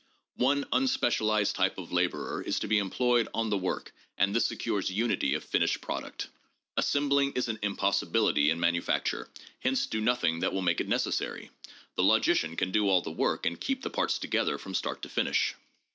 One unspecialized type of laborer is to be employed on the work, and this secures unity of finished product. Assembling is an impossibility in manufacture; hence do nothing that will make it necessary. The logician can do all the work and keep the parts together from start to finish.